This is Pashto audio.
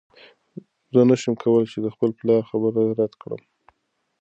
زه نشم کولی چې د خپل پلار خبره رد کړم.